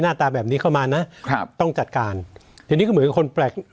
หน้าตาแบบนี้เข้ามานะครับต้องจัดการทีนี้ก็เหมือนคนแปลก